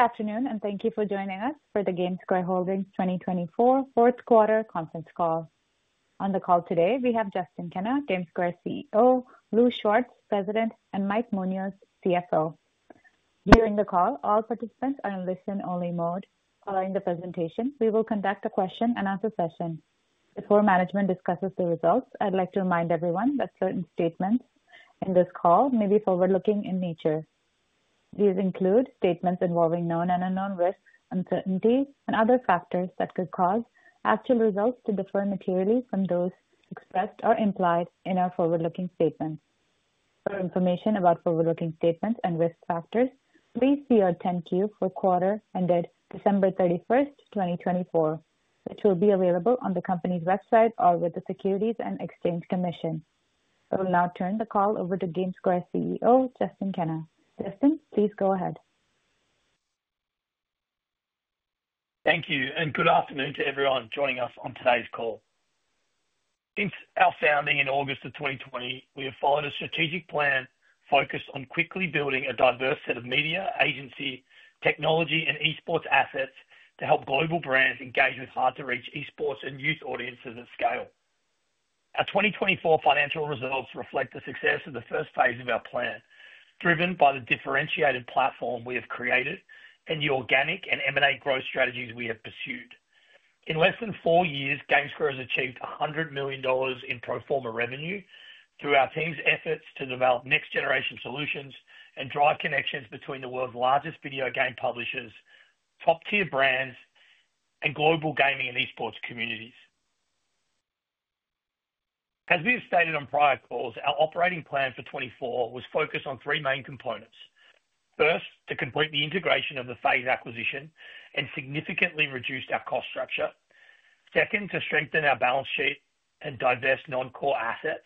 Good afternoon, and thank you for joining us for the GameSquare Holdings 2024 fourth quarter conference call. On the call today, we have Justin Kenna, GameSquare CEO; Louis Schwartz, President; and Mike Munoz, CFO. During the call, all participants are in listen-only mode. Following the presentation, we will conduct a question-and-answer session. Before management discusses the results, I'd like to remind everyone that certain statements in this call may be forward-looking in nature. These include statements involving known and unknown risks, uncertainty, and other factors that could cause actual results to differ materially from those expressed or implied in our forward-looking statements. For information about forward-looking statements and risk factors, please see our 10Q for quarter ended December 31st, 2024, which will be available on the company's website or with the Securities and Exchange Commission. I will now turn the call over to GameSquare CEO, Justin Kenna. Justin, please go ahead. Thank you, and good afternoon to everyone joining us on today's call. Since our founding in August of 2020, we have followed a strategic plan focused on quickly building a diverse set of media, agency, technology, and Esports assets to help global brands engage with hard-to-reach Esports and youth audiences at scale. Our 2024 financial results reflect the success of the first phase of our plan, driven by the differentiated platform we have created and the organic and M&A growth strategies we have pursued. In less than four years, GameSquare has achieved $100 million in pro forma revenue through our team's efforts to develop next-generation solutions and drive connections between the world's largest video game publishers, top-tier brands, and global gaming and Esports communities. As we have stated on prior calls, our operating plan for 2024 was focused on three main components. First, to complete the integration of the FaZe acquisition and significantly reduce our cost structure. Second, to strengthen our balance sheet and divest non-core assets.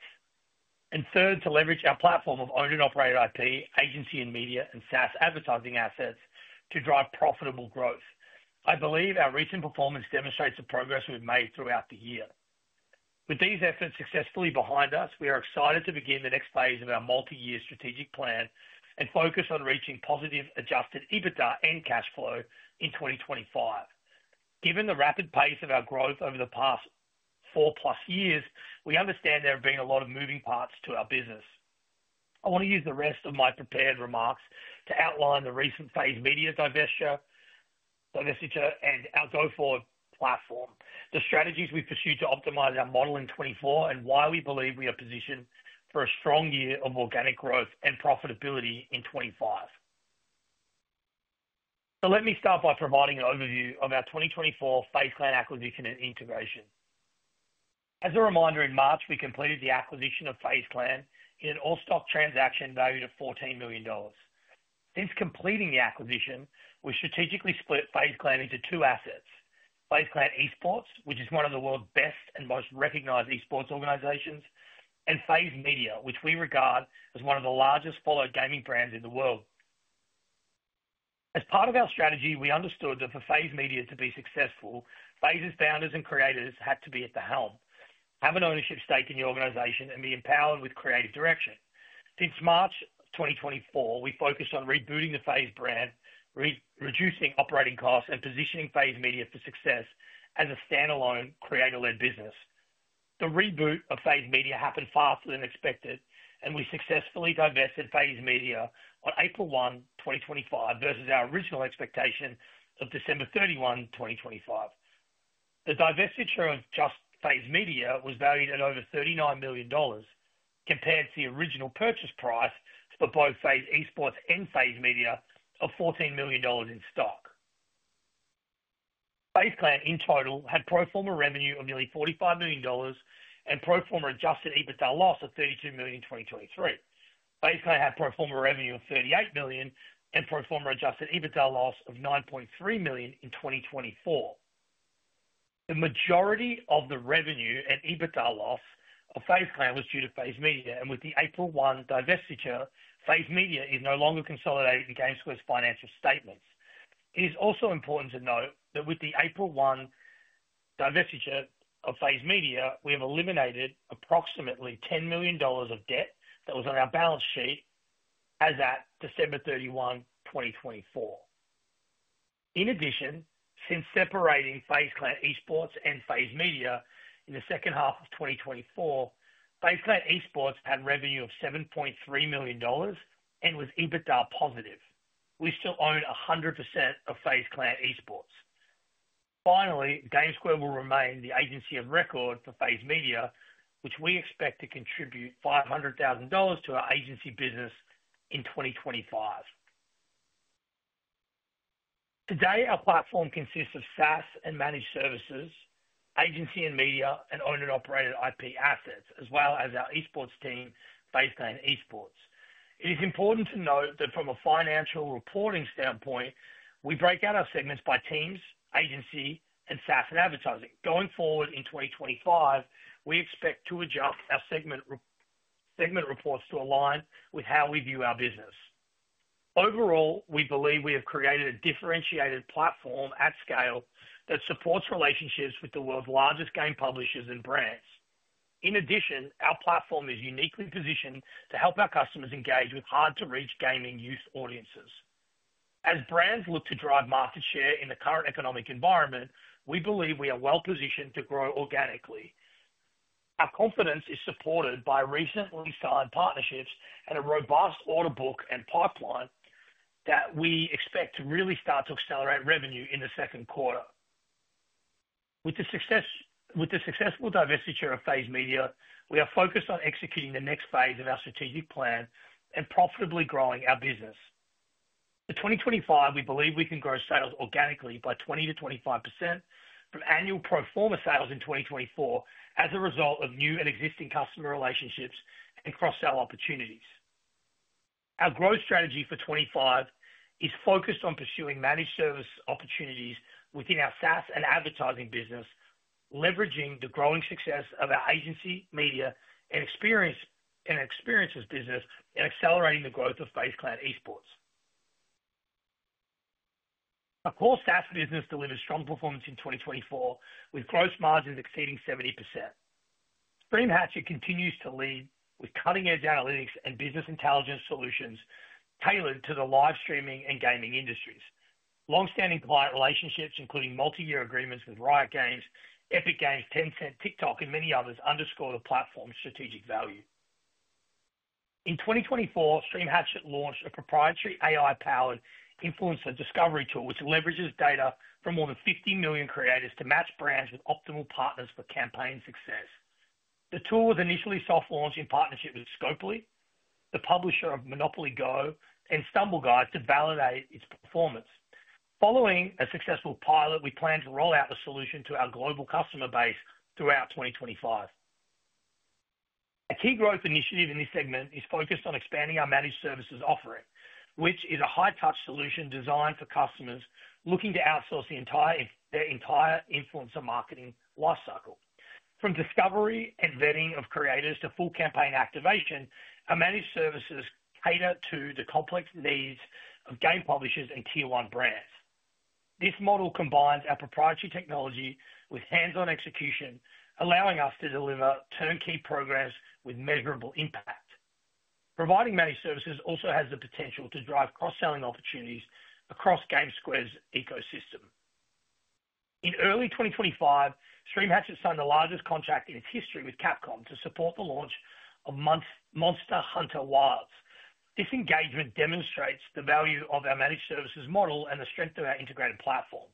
Third, to leverage our platform of owned and operated IP, agency, and media, and SaaS advertising assets to drive profitable growth. I believe our recent performance demonstrates the progress we've made throughout the year. With these efforts successfully behind us, we are excited to begin the next phase of our multi-year strategic plan and focus on reaching positive adjusted EBITDA and cash flow in 2025. Given the rapid pace of our growth over the past four-plus years, we understand there have been a lot of moving parts to our business. I want to use the rest of my prepared remarks to outline the recent FaZe Media divestiture and our go-forward platform, the strategies we've pursued to optimize our model in 2024, and why we believe we are positioned for a strong year of organic growth and profitability in 2025. Let me start by providing an overview of our 2024 FaZe Clan acquisition and integration. As a reminder, in March, we completed the acquisition of FaZe Clan in an all-stock transaction valued at $14 million. Since completing the acquisition, we strategically split FaZe Clan into two assets: FaZe Clan Esports, which is one of the world's best and most recognized Esports organizations, and FaZe Media, which we regard as one of the largest followed gaming brands in the world. As part of our strategy, we understood that for FaZe Media to be successful, FaZe's founders and creators had to be at the helm, have an ownership stake in the organization, and be empowered with creative direction. Since March 2024, we focused on rebooting the FaZe brand, reducing operating costs, and positioning FaZe Media for success as a standalone creator-led business. The reboot of FaZe Media happened faster than expected, and we successfully divested FaZe Media on April 1, 2025, versus our original expectation of December 31, 2025. The divestiture of just FaZe Media was valued at over $39 million compared to the original purchase price for both FaZe Esports and FaZe Media of $14 million in stock. FaZe Clan, in total, had pro forma revenue of nearly $45 million and pro forma adjusted EBITDA loss of $32 million in 2023. FaZe Clan had pro forma revenue of $38 million and pro forma adjusted EBITDA loss of $9.3 million in 2024. The majority of the revenue and EBITDA loss of FaZe Clan was due to FaZe Media, and with the April 1 divestiture, FaZe Media is no longer consolidated in GameSquare's financial statements. It is also important to note that with the April 1 divestiture of FaZe Media, we have eliminated approximately $10 million of debt that was on our balance sheet as at December 31, 2024. In addition, since separating FaZe Clan Esports and FaZe Media in the second half of 2024, FaZe Clan Esports had revenue of $7.3 million and was EBITDA positive. We still own 100% of FaZe Clan Esports. Finally, GameSquare will remain the agency of record for FaZe Media, which we expect to contribute $500,000 to our agency business in 2025. Today, our platform consists of SaaS and managed services, agency and media, and owned and operated IP assets, as well as our Esports team, FaZe Clan Esports. It is important to note that from a financial reporting standpoint, we break out our segments by teams, agency, and SaaS and advertising. Going forward in 2025, we expect to adjust our segment reports to align with how we view our business. Overall, we believe we have created a differentiated platform at scale that supports relationships with the world's largest game publishers and brands. In addition, our platform is uniquely positioned to help our customers engage with hard-to-reach gaming youth audiences. As brands look to drive market share in the current economic environment, we believe we are well-positioned to grow organically. Our confidence is supported by recently signed partnerships and a robust order book and pipeline that we expect to really start to accelerate revenue in the second quarter. With the successful divestiture of FaZe Media, we are focused on executing the next phase of our strategic plan and profitably growing our business. For 2025, we believe we can grow sales organically by 20-25% from annual pro forma sales in 2024 as a result of new and existing customer relationships and cross-sell opportunities. Our growth strategy for 2025 is focused on pursuing managed service opportunities within our SaaS and advertising business, leveraging the growing success of our agency, media, and experience business in accelerating the growth of FaZe Clan Esports. Our core SaaS business delivers strong performance in 2024, with gross margins exceeding 70%. StreamHatcher continues to lead with cutting-edge analytics and business intelligence solutions tailored to the live streaming and gaming industries. Long-standing client relationships, including multi-year agreements with Riot Games, Epic Games, Tencent, TikTok, and many others, underscore the platform's strategic value. In 2024, StreamHatcher launched a proprietary AI-powered influencer discovery tool, which leverages data from more than 50 million creators to match brands with optimal partners for campaign success. The tool was initially soft-launched in partnership with Scopely, the publisher of Monopoly Go, and Stumble Guys to validate its performance. Following a successful pilot, we plan to roll out the solution to our global customer base throughout 2025. A key growth initiative in this segment is focused on expanding our managed services offering, which is a high-touch solution designed for customers looking to outsource their entire influencer marketing lifecycle. From discovery and vetting of creators to full campaign activation, our managed services cater to the complex needs of game publishers and tier-one brands. This model combines our proprietary technology with hands-on execution, allowing us to deliver turnkey programs with measurable impact. Providing managed services also has the potential to drive cross-selling opportunities across GameSquare's ecosystem. In early 2025, StreamHatcher signed the largest contract in its history with Capcom to support the launch of Monster Hunter Wilds. This engagement demonstrates the value of our managed services model and the strength of our integrated platform.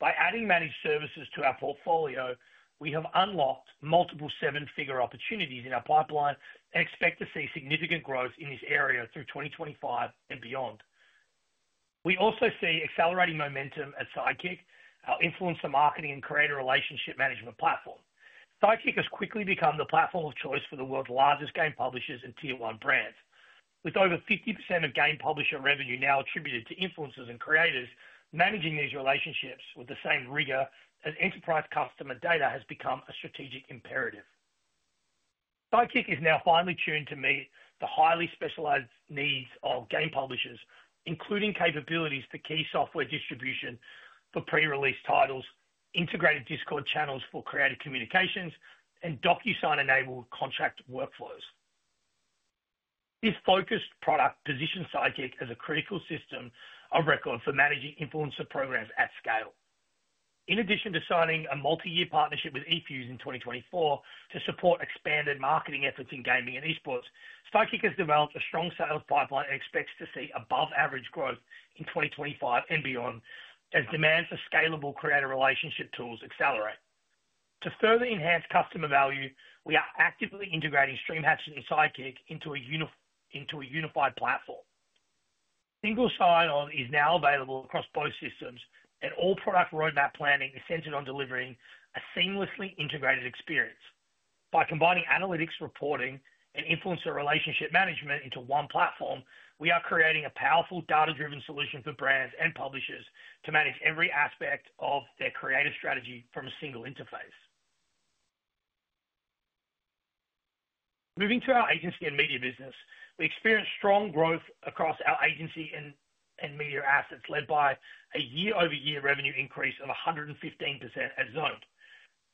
By adding managed services to our portfolio, we have unlocked multiple seven-figure opportunities in our pipeline and expect to see significant growth in this area through 2025 and beyond. We also see accelerating momentum at Sidekick, our influencer marketing and creator relationship management platform. Sidekick has quickly become the platform of choice for the world's largest game publishers and tier-one brands. With over 50% of game publisher revenue now attributed to influencers and creators, managing these relationships with the same rigor as enterprise customer data has become a strategic imperative. Sidekick is now finely tuned to meet the highly specialized needs of game publishers, including capabilities for key software distribution for pre-release titles, integrated Discord channels for creative communications, and DocuSign-enabled contract workflows. This focused product positions Sidekick as a critical system of record for managing influencer programs at scale. In addition to signing a multi-year partnership with EFUSE in 2024 to support expanded marketing efforts in gaming and Esports, Sidekick has developed a strong sales pipeline and expects to see above-average growth in 2025 and beyond as demand for scalable creator relationship tools accelerates. To further enhance customer value, we are actively integrating StreamHatcher and Sidekick into a unified platform. Single sign-on is now available across both systems, and all product roadmap planning is centered on delivering a seamlessly integrated experience. By combining analytics, reporting, and influencer relationship management into one platform, we are creating a powerful data-driven solution for brands and publishers to manage every aspect of their creative strategy from a single interface. Moving to our agency and media business, we experience strong growth across our agency and media assets led by a year-over-year revenue increase of 115% at Zoned.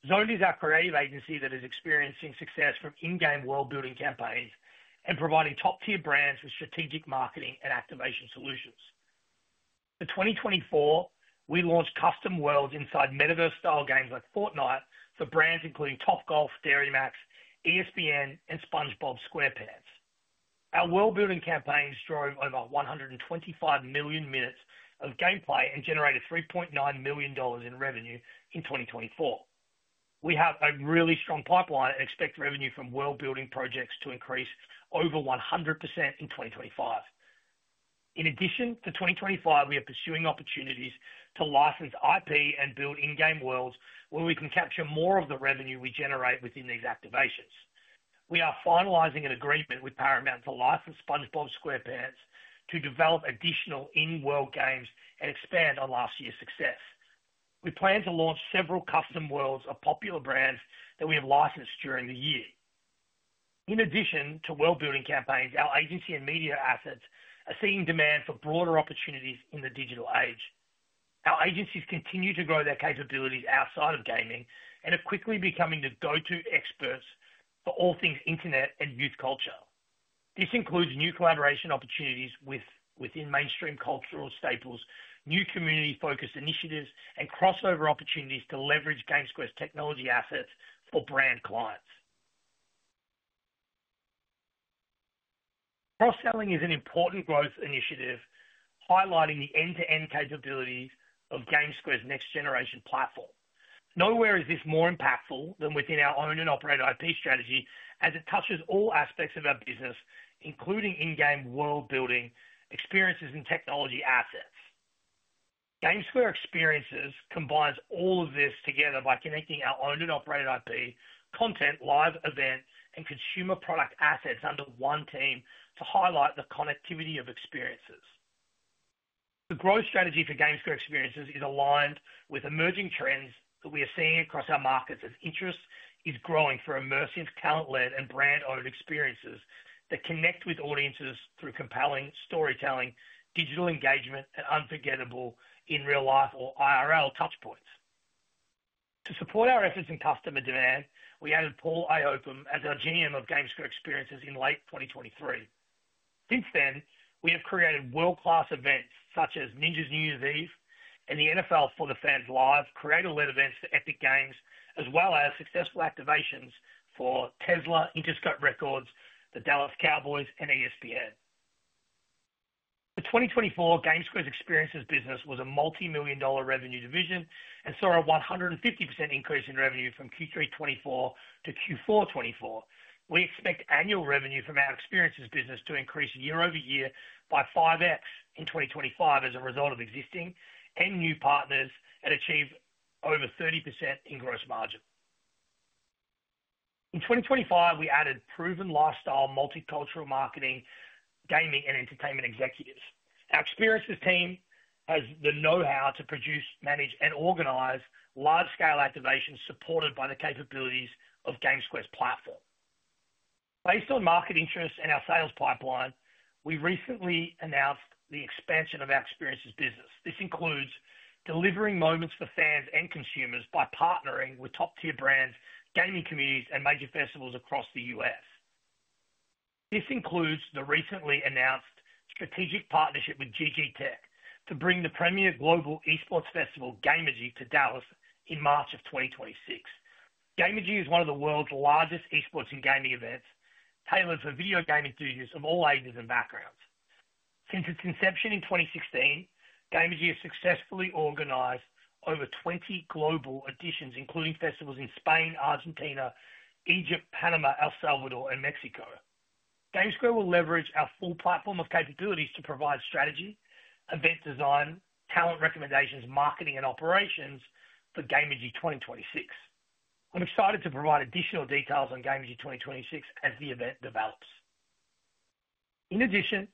Zoned is our creative agency that is experiencing success from in-game world-building campaigns and providing top-tier brands with strategic marketing and activation solutions. For 2024, we launched custom worlds inside metaverse-style games like Fortnite for brands including Top Golf, DairyMax, ESPN, and SpongeBob SquarePants. Our world-building campaigns drove over 125 million minutes of gameplay and generated $3.9 million in revenue in 2024. We have a really strong pipeline and expect revenue from world-building projects to increase over 100% in 2025. In addition to 2025, we are pursuing opportunities to license IP and build in-game worlds where we can capture more of the revenue we generate within these activations. We are finalizing an agreement with Paramount to license SpongeBob SquarePants to develop additional in-world games and expand on last year's success. We plan to launch several custom worlds of popular brands that we have licensed during the year. In addition to world-building campaigns, our agency and media assets are seeing demand for broader opportunities in the digital age. Our agencies continue to grow their capabilities outside of gaming and are quickly becoming the go-to experts for all things internet and youth culture. This includes new collaboration opportunities within mainstream cultural staples, new community-focused initiatives, and crossover opportunities to leverage GameSquare's technology assets for brand clients. Cross-selling is an important growth initiative highlighting the end-to-end capabilities of GameSquare's next-generation platform. Nowhere is this more impactful than within our owned and operated IP strategy, as it touches all aspects of our business, including in-game world-building experiences and technology assets. GameSquare Experiences combines all of this together by connecting our owned and operated IP, content, live events, and consumer product assets under one team to highlight the connectivity of experiences. The growth strategy for GameSquare Experiences is aligned with emerging trends that we are seeing across our markets as interest is growing for immersive, talent-led, and brand-owned experiences that connect with audiences through compelling storytelling, digital engagement, and unforgettable in-real-life or IRL touchpoints. To support our efforts and customer demand, we added Paul Eyhopham as our GM of GameSquare Experiences in late 2023. Since then, we have created world-class events such as Ninja's New Year's Eve and the NFL For The Fans Live, creator-led events for Epic Games, as well as successful activations for Tesla, Interscope Records, the Dallas Cowboys, and ESPN. For 2024, GameSquare's Experiences business was a multi-million dollar revenue division and saw a 150% increase in revenue from Q3 2024 to Q4 2024. We expect annual revenue from our experiences business to increase year-over-year by 5x in 2025 as a result of existing and new partners and achieve over 30% in gross margin. In 2025, we added proven lifestyle, multicultural marketing, gaming, and entertainment executives. Our experiences team has the know-how to produce, manage, and organize large-scale activations supported by the capabilities of GameSquare's platform. Based on market interests and our sales pipeline, we recently announced the expansion of our experiences business. This includes delivering moments for fans and consumers by partnering with top-tier brands, gaming communities, and major festivals across the U.S. This includes the recently announced strategic partnership with GG Tech to bring the premier global esports festival, GameG, to Dallas in March of 2026. GameG is one of the world's largest Esports and gaming events tailored for video game enthusiasts of all ages and backgrounds. Since its inception in 2016, GameG has successfully organized over 20 global editions, including festivals in Spain, Argentina, Egypt, Panama, El Salvador, and Mexico. GameSquare will leverage our full platform of capabilities to provide strategy, event design, talent recommendations, marketing, and operations for GameG 2026. I'm excited to provide additional details on GameG 2026 as the event develops. In addition,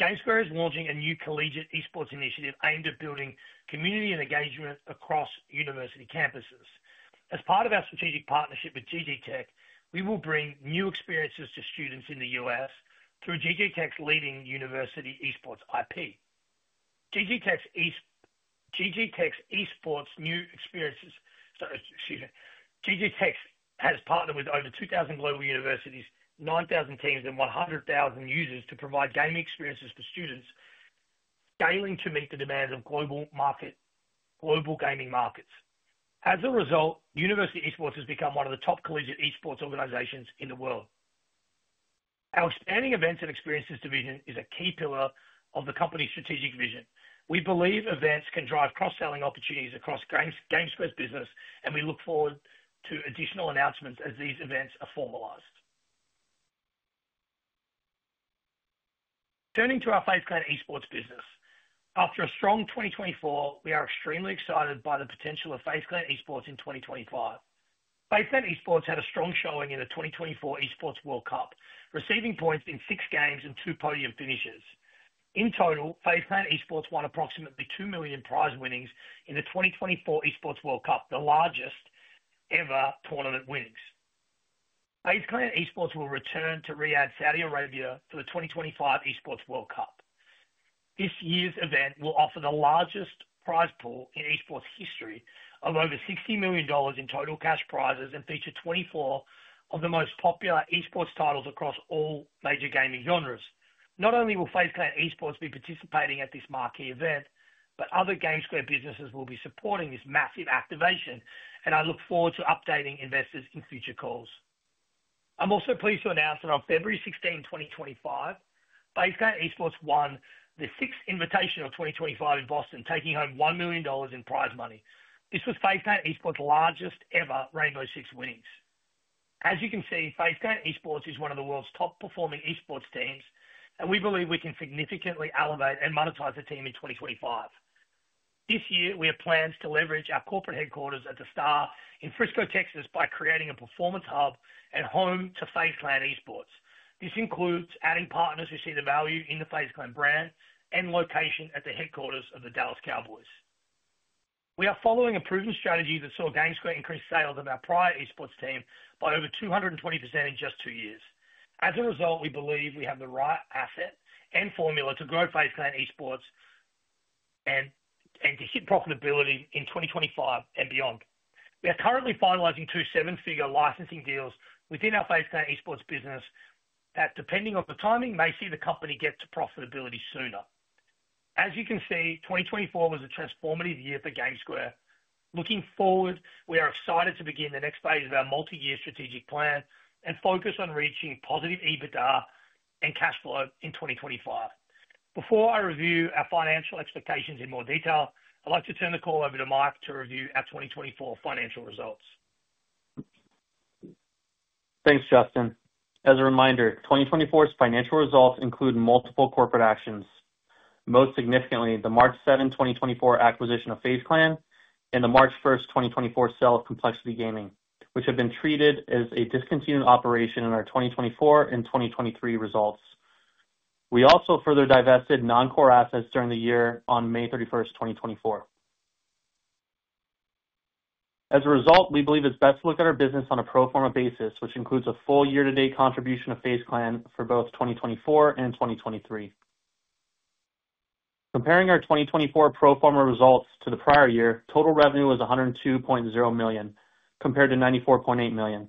GameSquare is launching a new collegiate Esports initiative aimed at building community and engagement across university campuses. As part of our strategic partnership with GG Tech, we will bring new experiences to students in the U.S., through GG Tech's leading university Esports IP. GG Tech has partnered with over 2,000 global universities, 9,000 teams, and 100,000 users to provide gaming experiences for students, scaling to meet the demands of global gaming markets. As a result, university Esports has become one of the top collegiate Esports organizations in the world. Our expanding events and experiences division is a key pillar of the company's strategic vision. We believe events can drive cross-selling opportunities across GameSquare's business, and we look forward to additional announcements as these events are formalized. Turning to our FaZe Clan Esports business, after a strong 2024, we are extremely excited by the potential of FaZe Clan Esports in 2025. FaZe Clan Esports had a strong showing in the 2024 Esports World Cup, receiving points in six games and two podium finishes. In total, FaZe Clan Esports won approximately $2 million prize winnings in the 2024 Esports World Cup, the largest ever tournament winnings. FaZe Clan Esports will return to Riyadh, Saudi Arabia, for the 2025 Esports World Cup. This year's event will offer the largest prize pool in Esports history of over $60 million in total cash prizes and feature 24 of the most popular Esports titles across all major gaming genres. Not only will FaZe Clan Esports be participating at this marquee event, but other GameSquare businesses will be supporting this massive activation, and I look forward to updating investors in future calls. I'm also pleased to announce that on February 16, 2025, FaZe Clan Esports won the sixth Invitational 2025 in Boston, taking home $1 million in prize money. This was FaZe Clan Esports' largest ever Rainbow Six winnings. As you can see, FaZe Clan Esports is one of the world's top-performing esports teams, and we believe we can significantly elevate and monetize the team in 2025. This year, we have plans to leverage our corporate headquarters at The Star in Frisco, Texas, by creating a performance hub and home to FaZe Clan Esports. This includes adding partners who see the value in the FaZe Clan brand and location at the headquarters of the Dallas Cowboys. We are following a proven strategy that saw GameSquare increase sales of our prior Esports team by over 220% in just two years. As a result, we believe we have the right asset and formula to grow FaZe Clan Esports and to hit profitability in 2025 and beyond. We are currently finalizing two seven-figure licensing deals within our FaZe Clan Esports business that, depending on the timing, may see the company get to profitability sooner. As you can see, 2024 was a transformative year for GameSquare. Looking forward, we are excited to begin the next phase of our multi-year strategic plan and focus on reaching positive EBITDA and cash flow in 2025. Before I review our financial expectations in more detail, I'd like to turn the call over to Mike to review our 2024 financial results. Thanks, Justin. As a reminder, 2024's financial results include multiple corporate actions. Most significantly, the March 7, 2024, acquisition of FaZe Clan and the March 1st, 2024, sale of Complexity Gaming, which have been treated as a discontinued operation in our 2024 and 2023 results. We also further divested non-core assets during the year on May 31st, 2024. As a result, we believe it's best to look at our business on a pro forma basis, which includes a full year-to-date contribution of FaZe Clan for both 2024 and 2023. Comparing our 2024 pro forma results to the prior year, total revenue was $102.0 million, compared to $94.8 million.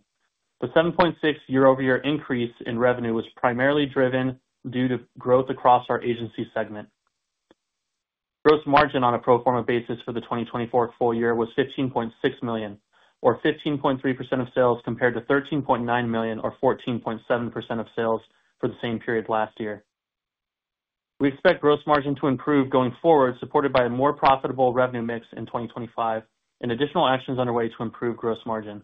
The $7.6 million year-over-year increase in revenue was primarily driven due to growth across our agency segment. Gross margin on a pro forma basis for the 2024 full year was $15.6 million, or 15.3% of sales, compared to $13.9 million, or 14.7% of sales for the same period last year. We expect gross margin to improve going forward, supported by a more profitable revenue mix in 2025 and additional actions underway to improve gross margin.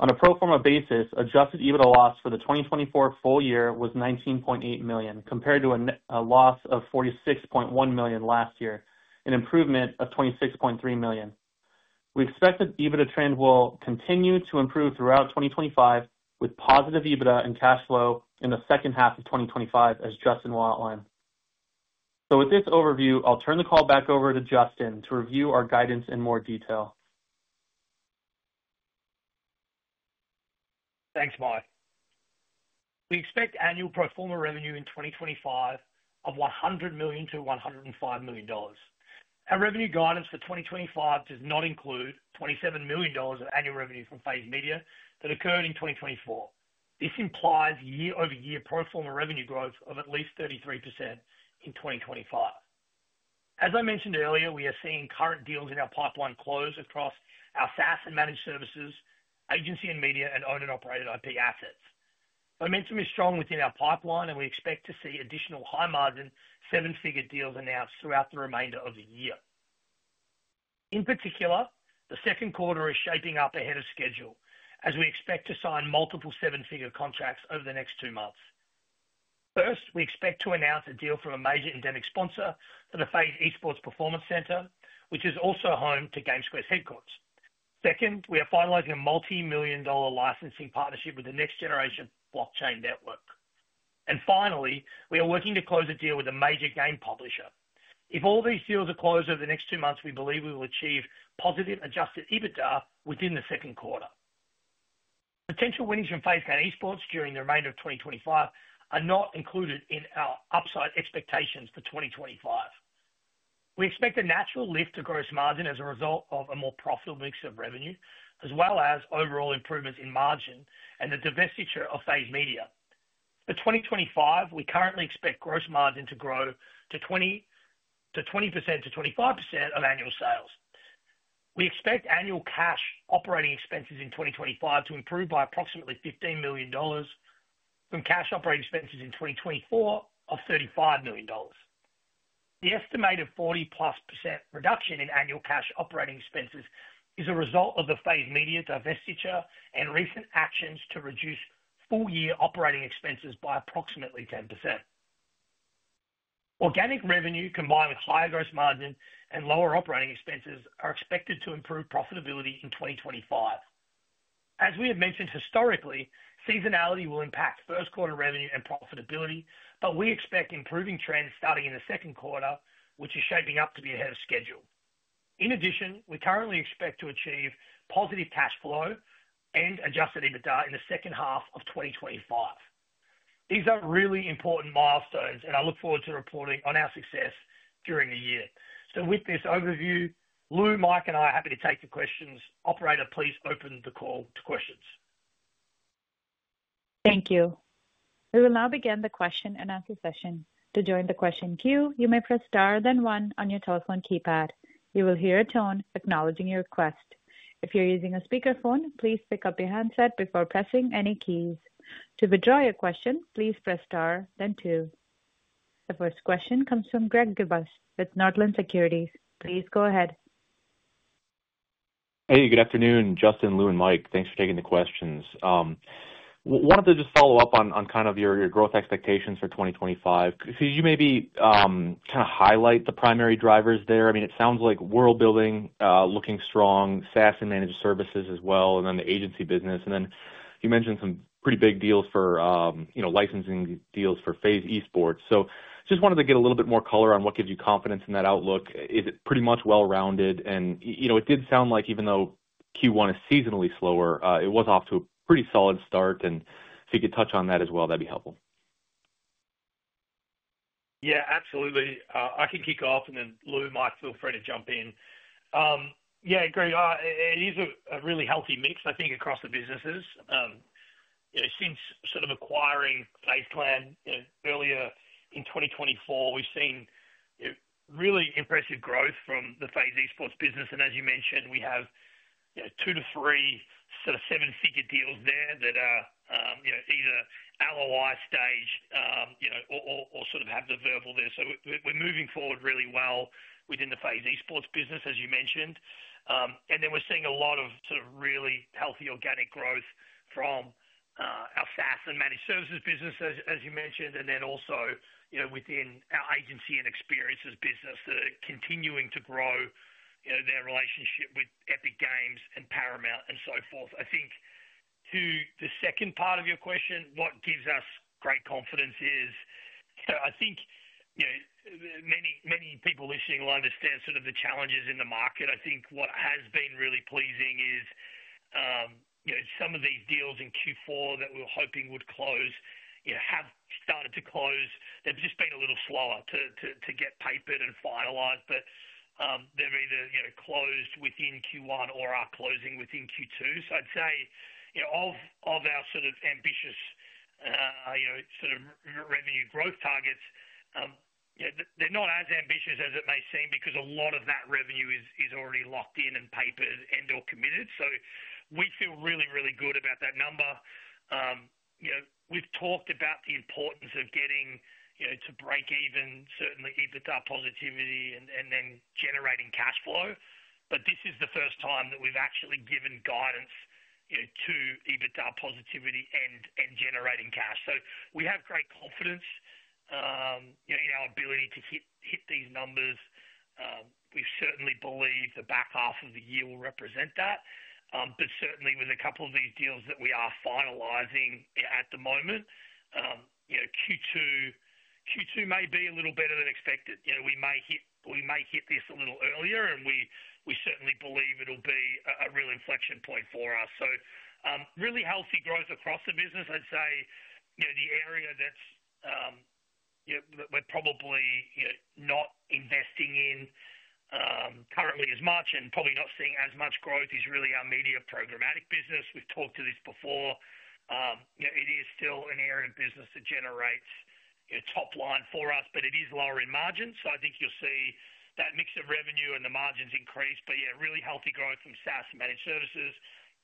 On a pro forma basis, adjusted EBITDA loss for the 2024 full year was $19.8 million, compared to a loss of $46.1 million last year, an improvement of $26.3 million. We expect that EBITDA trend will continue to improve throughout 2025, with positive EBITDA and cash flow in the second half of 2025, as Justin will outline. With this overview, I'll turn the call back over to Justin to review our guidance in more detail. Thanks, Mike. We expect annual pro forma revenue in 2025 of $100 million-$105 million. Our revenue guidance for 2025 does not include $27 million of annual revenue from FaZe Media that occurred in 2024. This implies year-over-year pro forma revenue growth of at least 33% in 2025. As I mentioned earlier, we are seeing current deals in our pipeline close across our SaaS and managed services, agency and media, and owned and operated IP assets. Momentum is strong within our pipeline, and we expect to see additional high-margin, seven-figure deals announced throughout the remainder of the year. In particular, the second quarter is shaping up ahead of schedule, as we expect to sign multiple seven-figure contracts over the next two months. First, we expect to announce a deal from a major endemic sponsor for the FaZe Esports Performance Center, which is also home to GameSquare's headquarters. Second, we are finalizing a multi-million dollar licensing partnership with the Next Generation Blockchain Network. Finally, we are working to close a deal with a major game publisher. If all these deals are closed over the next two months, we believe we will achieve positive adjusted EBITDA within the second quarter. Potential winnings from FaZe Clan Esports during the remainder of 2025 are not included in our upside expectations for 2025. We expect a natural lift to gross margin as a result of a more profitable mix of revenue, as well as overall improvements in margin and the divestiture of FaZe Media. For 2025, we currently expect gross margin to grow to 20%-25% of annual sales. We expect annual cash operating expenses in 2025 to improve by approximately $15 million from cash operating expenses in 2024 of $35 million. The estimated 40+% reduction in annual cash operating expenses is a result of the FaZe Media divestiture and recent actions to reduce full-year operating expenses by approximately 10%. Organic revenue, combined with higher gross margin and lower operating expenses, are expected to improve profitability in 2025. As we have mentioned historically, seasonality will impact first-quarter revenue and profitability, but we expect improving trends starting in the second quarter, which is shaping up to be ahead of schedule. In addition, we currently expect to achieve positive cash flow and adjusted EBITDA in the second half of 2025. These are really important milestones, and I look forward to reporting on our success during the year. With this overview, Lou, Mike, and I are happy to take your questions. Operator, please open the call to questions. Thank you. We will now begin the question and answer session. To join the question queue, you may press star then one on your telephone keypad. You will hear a tone acknowledging your request. If you're using a speakerphone, please pick up your handset before pressing any keys. To withdraw your question, please press star then two. The first question comes from Greg Gibas with Nordland Securities. Please go ahead. Hey, good afternoon, Justin, Lou, and Mike. Thanks for taking the questions. Wanted to just follow up on kind of your growth expectations for 2025. Could you maybe kind of highlight the primary drivers there? I mean, it sounds like world-building, looking strong, SaaS and managed services as well, and then the agency business. You mentioned some pretty big deals for licensing deals for FaZe Esports. Just wanted to get a little bit more color on what gives you confidence in that outlook. Is it pretty much well-rounded? It did sound like even though Q1 is seasonally slower, it was off to a pretty solid start. If you could touch on that as well, that'd be helpful. Yeah, absolutely. I can kick off, and then Lou, Mike, feel free to jump in. Yeah, Greg, it is a really healthy mix, I think, across the businesses. Since sort of acquiring FaZe Clan earlier in 2024, we've seen really impressive growth from the FaZe Esports business. As you mentioned, we have two to three sort of seven-figure deals there that are either alloy stage or sort of have the verbal there. We're moving forward really well within the FaZe Esports business, as you mentioned. We're seeing a lot of really healthy organic growth from our SaaS and managed services business, as you mentioned, and also within our agency and experiences business that are continuing to grow their relationship with Epic Games and Paramount and so forth. I think to the second part of your question, what gives us great confidence is I think many people listening will understand sort of the challenges in the market. I think what has been really pleasing is some of these deals in Q4 that we were hoping would close have started to close. They've just been a little slower to get papered and finalized, but they've either closed within Q1 or are closing within Q2. I'd say of our sort of ambitious sort of revenue growth targets, they're not as ambitious as it may seem because a lot of that revenue is already locked in and papered and/or committed. We feel really, really good about that number. We've talked about the importance of getting to break even, certainly EBITDA positivity, and then generating cash flow. This is the first time that we've actually given guidance to EBITDA positivity and generating cash. We have great confidence in our ability to hit these numbers. We certainly believe the back half of the year will represent that. With a couple of these deals that we are finalizing at the moment, Q2 may be a little better than expected. We may hit this a little earlier, and we certainly believe it'll be a real inflection point for us. Really healthy growth across the business. I'd say the area that we're probably not investing in currently as much and probably not seeing as much growth is really our media programmatic business. We've talked to this before. It is still an area of business that generates top line for us, but it is lower in margin. I think you'll see that mix of revenue and the margins increase. Yeah, really healthy growth from SaaS and managed services,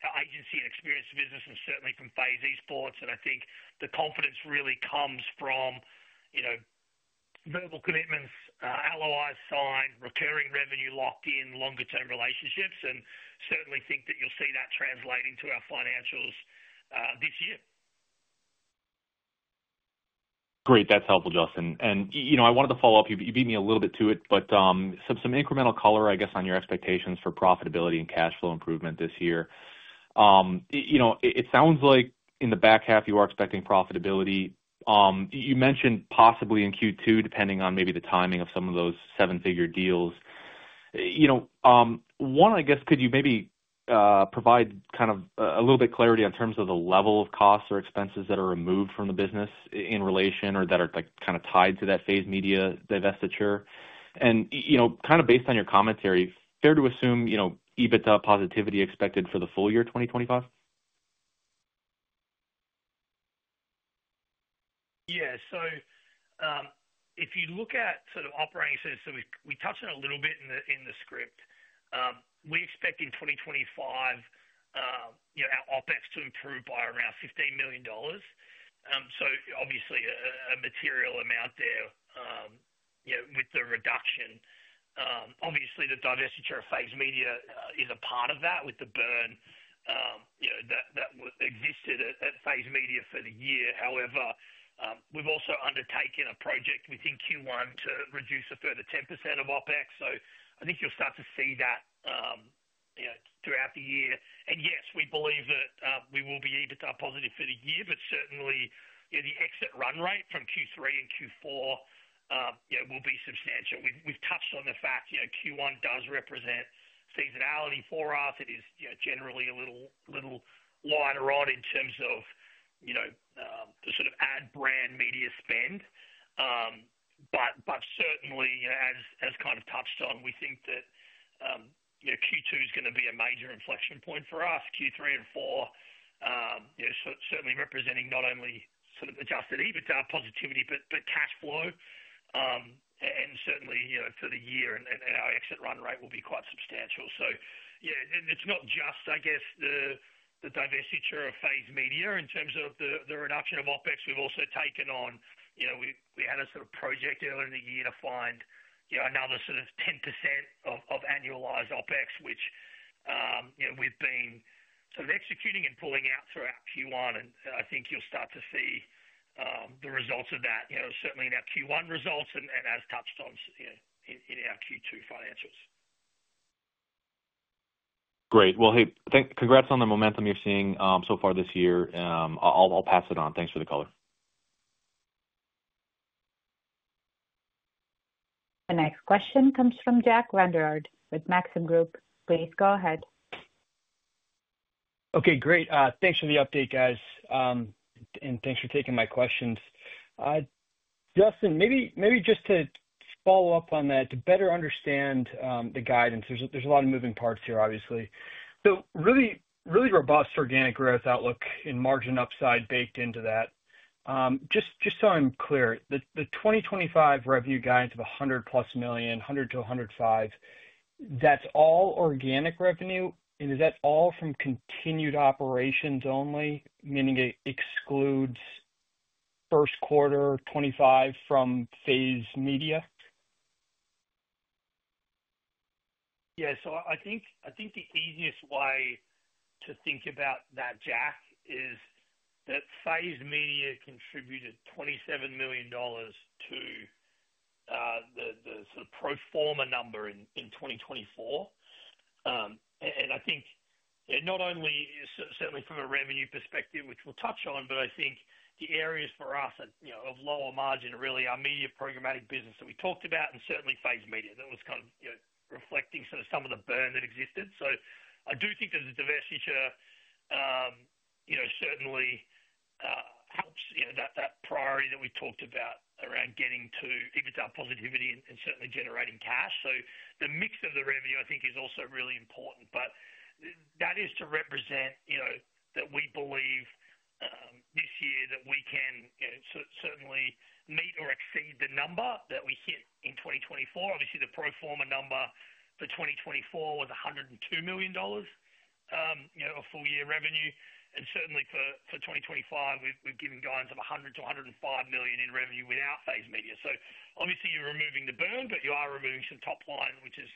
our agency and experience business, and certainly from FaZe Esports. I think the confidence really comes from verbal commitments, all LOI signed, recurring revenue locked in, longer-term relationships, and certainly think that you'll see that translating to our financials this year. Great. That's helpful, Justin. I wanted to follow up. You beat me a little bit to it, but some incremental color, I guess, on your expectations for profitability and cash flow improvement this year. It sounds like in the back half, you are expecting profitability. You mentioned possibly in Q2, depending on maybe the timing of some of those seven-figure deals. One, I guess, could you maybe provide kind of a little bit of clarity on terms of the level of costs or expenses that are removed from the business in relation or that are kind of tied to that FaZe Media divestiture? And kind of based on your commentary, fair to assume EBITDA positivity expected for the full year 2025? Yeah. If you look at sort of operating services, we touched on it a little bit in the script. We expect in 2025 our OpEx to improve by around $15 million. Obviously, a material amount there with the reduction. Obviously, the divestiture of FaZe Media is a part of that with the burn that existed at FaZe Media for the year. However, we've also undertaken a project within Q1 to reduce a further 10% of OpEx. I think you'll start to see that throughout the year. Yes, we believe that we will be EBITDA positive for the year, but certainly the exit run rate from Q3 and Q4 will be substantial. We've touched on the fact Q1 does represent seasonality for us. It is generally a little lighter in terms of the sort of ad brand media spend. Certainly, as kind of touched on, we think that Q2 is going to be a major inflection point for us. Q3 and Q4 certainly representing not only sort of adjusted EBITDA positivity, but cash flow. Certainly, for the year, our exit run rate will be quite substantial. Yeah, it's not just, I guess, the divestiture of FaZe Media in terms of the reduction of OpEx. We've also taken on we had a sort of project earlier in the year to find another sort of 10% of annualized OpEx, which we've been sort of executing and pulling out throughout Q1. I think you'll start to see the results of that, certainly in our Q1 results and as touched on in our Q2 financials. Great. Hey, congrats on the momentum you're seeing so far this year. I'll pass it on. Thanks for the caller. The next question comes from Jack Vander Aarde with Maxim Group. Please go ahead. Okay, great. Thanks for the update, guys. Thanks for taking my questions. Justin, maybe just to follow up on that, to better understand the guidance, there's a lot of moving parts here, obviously. Really robust organic growth outlook and margin upside baked into that. Just so I'm clear, the 2025 revenue guidance of $100 plus million, $100 million-$105 million, that's all organic revenue. Is that all from continued operations only, meaning it excludes first quarter 2025 from FaZe Media? Yeah. I think the easiest way to think about that, Jack, is that FaZe Media contributed $27 million to the sort of pro forma number in 2024. I think not only certainly from a revenue perspective, which we'll touch on, but I think the areas for us of lower margin are really our media programmatic business that we talked about and certainly FaZe Media. That was kind of reflecting sort of some of the burn that existed. I do think that the divestiture certainly helps that priority that we talked about around getting to EBITDA positivity and certainly generating cash. The mix of the revenue, I think, is also really important. That is to represent that we believe this year that we can certainly meet or exceed the number that we hit in 2024. Obviously, the pro forma number for 2024 was $102 million of full-year revenue. Certainly for 2025, we've given guidance of $100 million-$105 million in revenue without FaZe Media. Obviously, you're removing the burn, but you are removing some top line, which is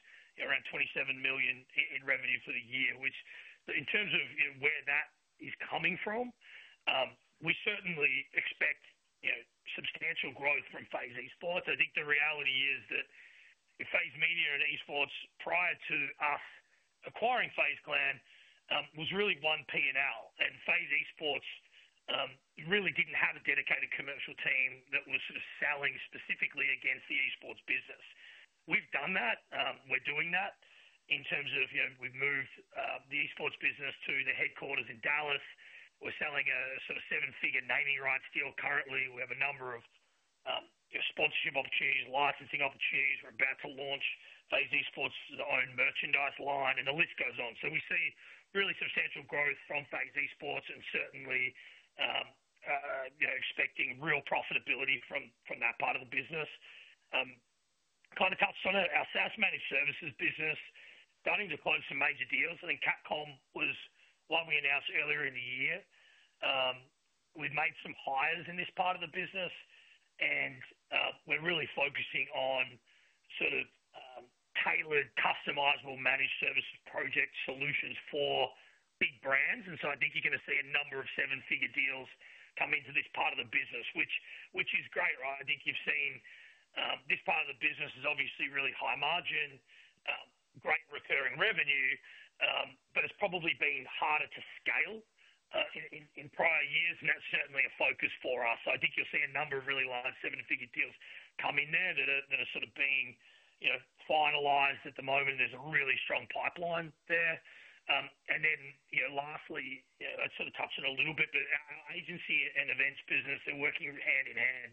around $27 million in revenue for the year. In terms of where that is coming from, we certainly expect substantial growth from FaZe Esports. I think the reality is that FaZe Media and Esports prior to us acquiring FaZe Clan was really one P&L. FaZe Esports really did not have a dedicated commercial team that was sort of selling specifically against the Esports business. We've done that. We're doing that in terms of we've moved the Esports business to the headquarters in Dallas. We're selling a sort of seven-figure naming rights deal currently. We have a number of sponsorship opportunities, licensing opportunities. We're about to launch FaZe Esports' own merchandise line, and the list goes on. We see really substantial growth from FaZe Esports and certainly expecting real profitability from that part of the business. Kind of touched on it, our SaaS managed services business starting to close some major deals. I think Capcom was one we announced earlier in the year. We've made some hires in this part of the business, and we're really focusing on sort of tailored, customizable, managed services project solutions for big brands. I think you're going to see a number of seven-figure deals come into this part of the business, which is great, right? I think you've seen this part of the business is obviously really high margin, great recurring revenue, but it's probably been harder to scale in prior years. That's certainly a focus for us. I think you'll see a number of really large seven-figure deals come in there that are sort of being finalized at the moment. There's a really strong pipeline there. Lastly, I sort of touched on it a little bit, but our agency and events business, they're working hand in hand.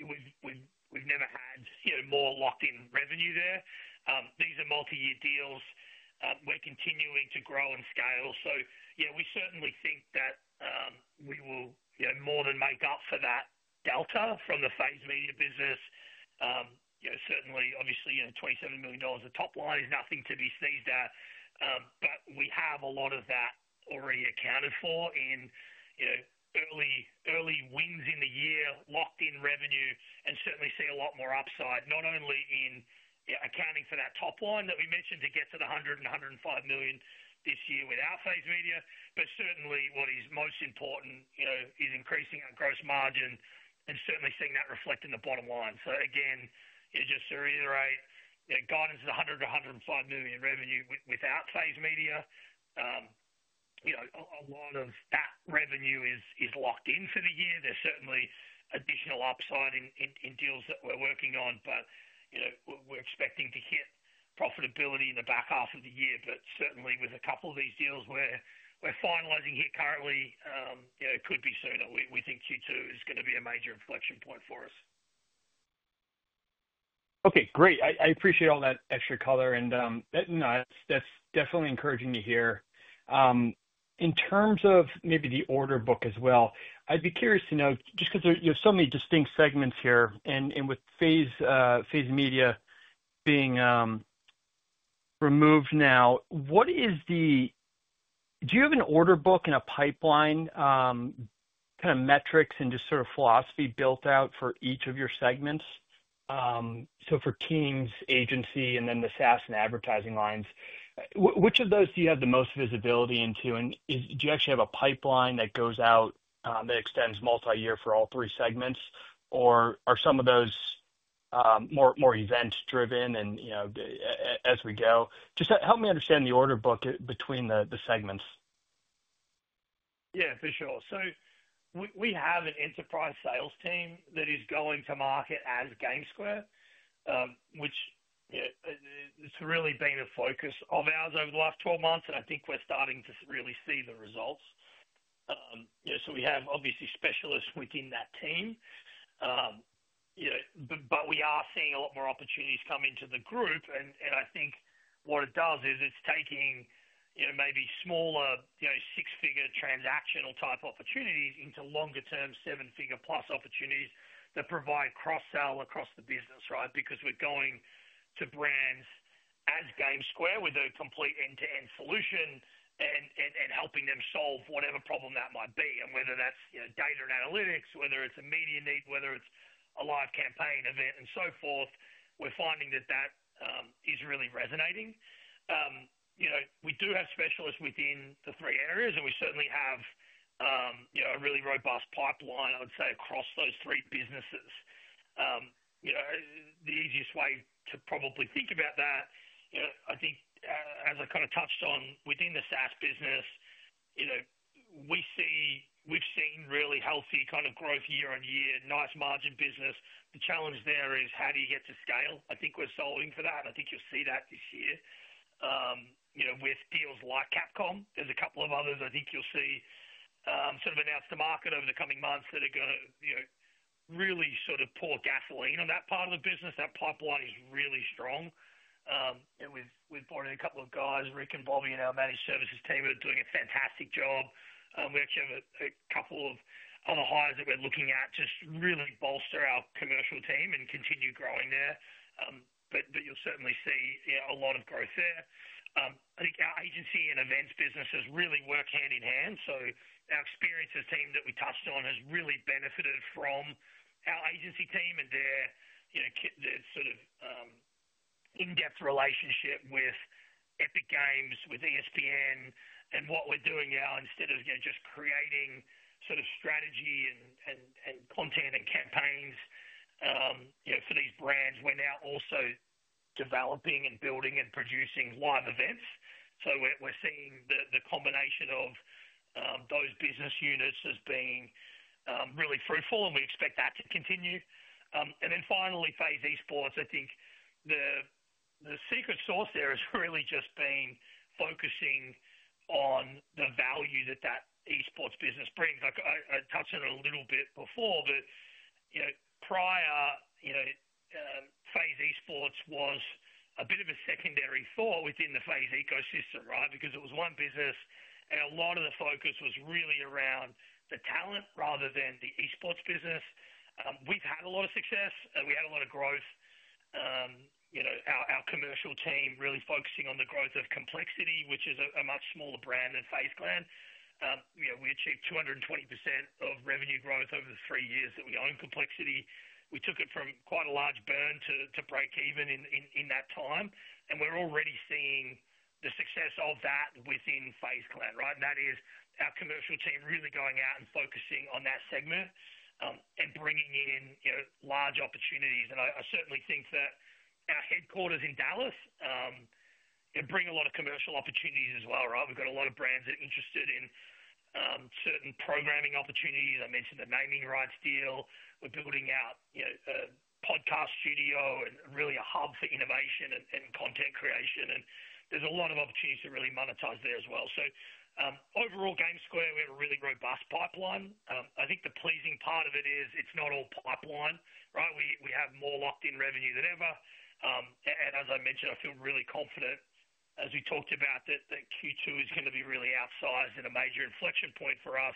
We've never had more locked-in revenue there. These are multi-year deals. We're continuing to grow and scale. Yeah, we certainly think that we will more than make up for that delta from the FaZe Media business. Certainly, obviously, $27 million of top line is nothing to be sneezed at, but we have a lot of that already accounted for in early wins in the year, locked-in revenue, and certainly see a lot more upside, not only in accounting for that top line that we mentioned to get to the $100 million-$105 million this year with our FaZe Media, but certainly what is most important is increasing our gross margin and certainly seeing that reflect in the bottom line. Again, just to reiterate, guidance is $100 million-$105 million revenue without FaZe Media. A lot of that revenue is locked in for the year. There's certainly additional upside in deals that we're working on, but we're expecting to hit profitability in the back half of the year. Certainly, with a couple of these deals we're finalizing here currently, it could be sooner. We think Q2 is going to be a major inflection point for us. Okay. Great. I appreciate all that extra color. No, that's definitely encouraging to hear. In terms of maybe the order book as well, I'd be curious to know, just because there are so many distinct segments here, and with FaZe Media being removed now, what is the—do you have an order book and a pipeline, kind of metrics and just sort of philosophy built out for each of your segments? For teams, agency, and then the SaaS and advertising lines, which of those do you have the most visibility into? Do you actually have a pipeline that goes out that extends multi-year for all three segments, or are some of those more event-driven and as we go? Just help me understand the order book between the segments. Yeah, for sure. We have an enterprise sales team that is going to market as GameSquare, which has really been a focus of ours over the last 12 months, and I think we're starting to really see the results. We have obviously specialists within that team, but we are seeing a lot more opportunities come into the group. I think what it does is it's taking maybe smaller six-figure transactional type opportunities into longer-term seven-figure plus opportunities that provide cross-sell across the business, right? Because we're going to brands as GameSquare with a complete end-to-end solution and helping them solve whatever problem that might be. Whether that's data and analytics, whether it's a media need, whether it's a live campaign event, and so forth, we're finding that that is really resonating. We do have specialists within the three areas, and we certainly have a really robust pipeline, I would say, across those three businesses. The easiest way to probably think about that, I think, as I kind of touched on within the SaaS business, we've seen really healthy kind of growth year-on-year, nice margin business. The challenge there is how do you get to scale? I think we're solving for that. I think you'll see that this year with deals like Capcom. There's a couple of others I think you'll see sort of announced to market over the coming months that are going to really sort of pour gasoline on that part of the business. That pipeline is really strong. We've brought in a couple of guys, Rick and Bobby in our managed services team. They're doing a fantastic job. We actually have a couple of other hires that we're looking at to really bolster our commercial team and continue growing there. You'll certainly see a lot of growth there. I think our agency and events business has really worked hand in hand. Our experiences team that we touched on has really benefited from our agency team and their sort of in-depth relationship with Epic Games, with ESPN, and what we're doing now instead of just creating sort of strategy and content and campaigns for these brands, we're now also developing and building and producing live events. We're seeing the combination of those business units as being really fruitful, and we expect that to continue. Finally, FaZe Esports, I think the secret sauce there has really just been focusing on the value that that Esports business brings. I touched on it a little bit before, but prior, FaZe Esports was a bit of a secondary thought within the FaZe ecosystem, right? Because it was one business, and a lot of the focus was really around the talent rather than the Esports business. We've had a lot of success. We had a lot of growth. Our commercial team really focusing on the growth of Complexity, which is a much smaller brand than FaZe Clan. We achieved 220% of revenue growth over the three years that we owned Complexity. We took it from quite a large burn to break even in that time. We're already seeing the success of that within FaZe Clan, right? That is our commercial team really going out and focusing on that segment and bringing in large opportunities. I certainly think that our headquarters in Dallas bring a lot of commercial opportunities as well, right? We've got a lot of brands that are interested in certain programming opportunities. I mentioned the naming rights deal. We're building out a podcast studio and really a hub for innovation and content creation. There's a lot of opportunities to really monetize there as well. Overall, GameSquare, we have a really robust pipeline. I think the pleasing part of it is it's not all pipeline, right? We have more locked-in revenue than ever. As I mentioned, I feel really confident, as we talked about, that Q2 is going to be really outsized and a major inflection point for us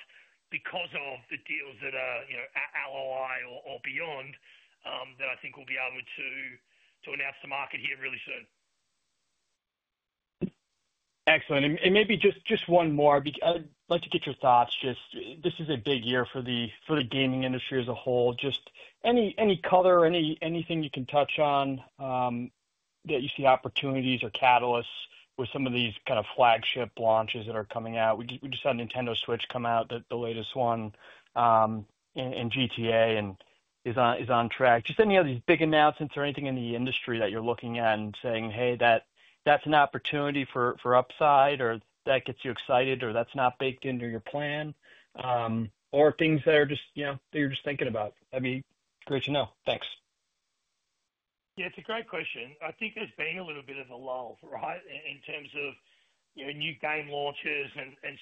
because of the deals that are at LOI or beyond that I think we'll be able to announce to market here really soon. Excellent. Maybe just one more. I'd like to get your thoughts. Just this is a big year for the gaming industry as a whole. Just any color, anything you can touch on that you see opportunities or catalysts with some of these kind of flagship launches that are coming out. We just had Nintendo Switch come out, the latest one, and GTA is on track. Just any of these big announcements or anything in the industry that you're looking at and saying, "Hey, that's an opportunity for upside," or "That gets you excited," or "That's not baked into your plan," or things that are just that you're just thinking about? That'd be great to know. Thanks. Yeah, it's a great question. I think there's been a little bit of a lull, right, in terms of new game launches.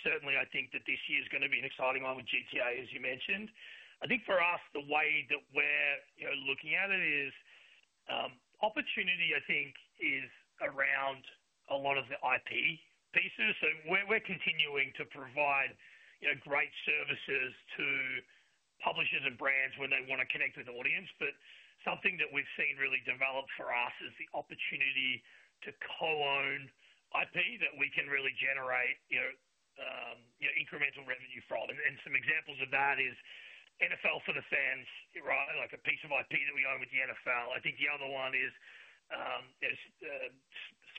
Certainly, I think that this year is going to be an exciting one with GTA, as you mentioned. I think for us, the way that we're looking at it is opportunity, I think, is around a lot of the IP pieces. We're continuing to provide great services to publishers and brands when they want to connect with an audience. Something that we've seen really develop for us is the opportunity to co-own IP that we can really generate incremental revenue from. Some examples of that is NFL For The Fans, right? Like a piece of IP that we own with the NFL. I think the other one is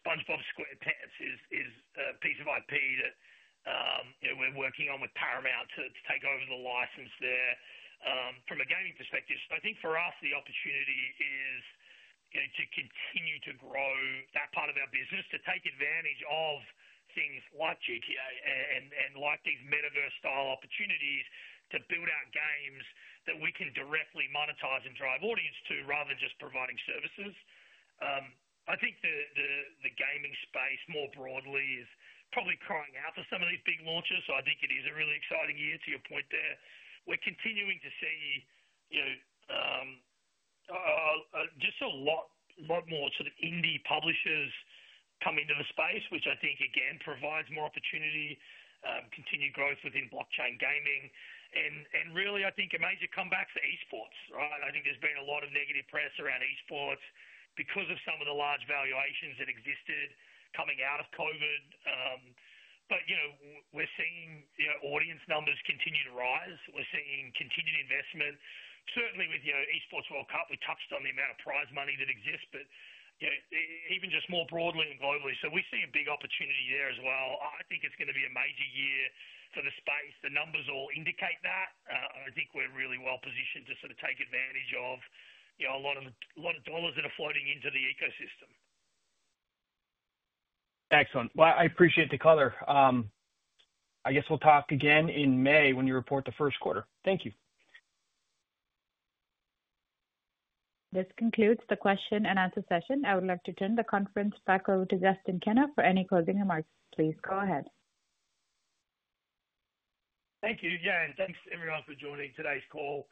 SpongeBob SquarePants is a piece of IP that we're working on with Paramount to take over the license there from a gaming perspective. I think for us, the opportunity is to continue to grow that part of our business, to take advantage of things like GTA and like these metaverse-style opportunities to build out games that we can directly monetize and drive audience to rather than just providing services. I think the gaming space more broadly is probably crying out for some of these big launches. I think it is a really exciting year to your point there. We're continuing to see just a lot more sort of indie publishers coming to the space, which I think, again, provides more opportunity, continued growth within blockchain gaming. Really, I think a major comeback for Esports, right? I think there's been a lot of negative press around Esports because of some of the large valuations that existed coming out of COVID. We're seeing audience numbers continue to rise. We're seeing continued investment. Certainly, with Esports World Cup, we touched on the amount of prize money that exists, but even just more broadly and globally. We see a big opportunity there as well. I think it's going to be a major year for the space. The numbers all indicate that. I think we're really well positioned to sort of take advantage of a lot of dollars that are floating into the ecosystem. Excellent. I appreciate the color. I guess we'll talk again in May when you report the first quarter. Thank you. This concludes the question and answer session. I would like to turn the conference back over to Justin Kenna for any closing remarks. Please go ahead. Thank you. Yeah. Thanks, everyone, for joining today's call.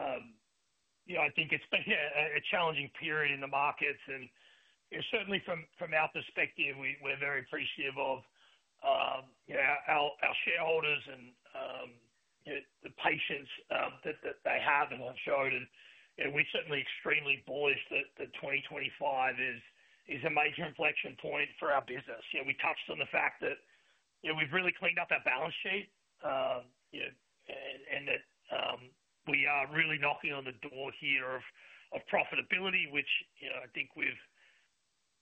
I think it's been a challenging period in the markets. Certainly, from our perspective, we're very appreciative of our shareholders and the patience that they have and have showed. We are extremely bullish that 2025 is a major inflection point for our business. We touched on the fact that we've really cleaned up our balance sheet and that we are really knocking on the door here of profitability, which I think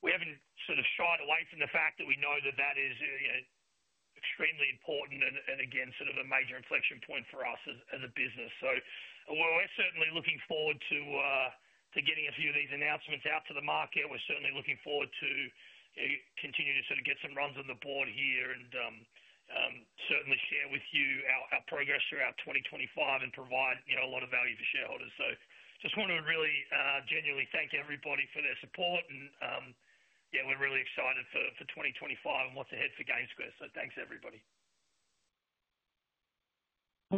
we haven't sort of shied away from the fact that we know that that is extremely important and, again, sort of a major inflection point for us as a business. We're certainly looking forward to getting a few of these announcements out to the market. We're certainly looking forward to continue to sort of get some runs on the board here and certainly share with you our progress throughout 2025 and provide a lot of value for shareholders. I just want to really genuinely thank everybody for their support. Yeah, we're really excited for 2025 and what's ahead for GameSquare. Thanks, everybody.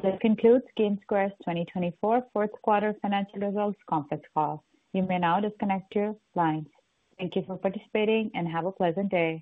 That concludes GameSquare's 2024 fourth quarter financial results conference call. You may now disconnect your line. Thank you for participating and have a pleasant day.